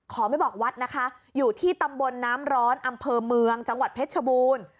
ไม่บอกวัดนะคะอยู่ที่ตำบลน้ำร้อนอำเภอเมืองจังหวัดเพชรชบูรณ์